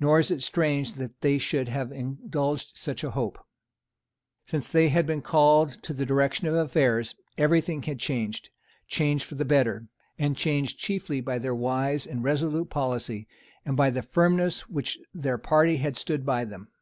Nor is it strange that they should have indulged such a hope. Since they had been called to the direction of affairs every thing had been changed, changed for the better, and changed chiefly by their wise and resolute policy, and by the firmness with which their party had stood by them.